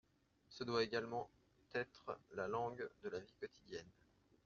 Ce doit également être la langue de la vie quotidienne.